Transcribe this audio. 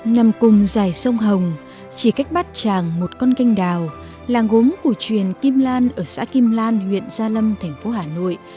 nằm cùng dài sông hồng chỉ cách bát tràng một con canh đào làng gốm cổ truyền kim lan ở xã kim lan huyện gia lâm thành phố hà nội